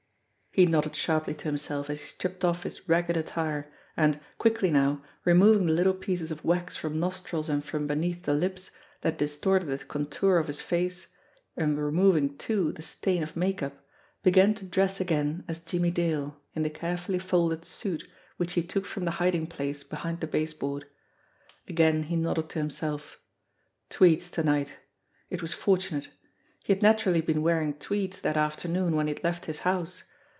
He nodded sharply to himself as he stripped off his ragged attire, and, quickly now, removing the little pieces of wax from nostrils and from beneath the lips, that distorted the contour of his face, and removing, too, the stain of make up, began to dress again as Jimmie Dale in the carefully folded suit which he took from the hiding place behind the base board. Again he nodded to himself. Tweeds to night. It was fortunate ! He had naturally been wearing tweeds that afternoon when he had left his house.